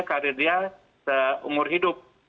karir dia seumur hidup